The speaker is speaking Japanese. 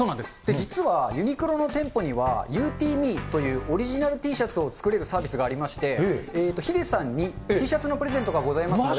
実は、ユニクロの店舗には、Ｕｔｍｅ！というオリジナルＴシャツを作れるサービスがありまして、ヒデさんにＴシャツのプレゼントがございますので。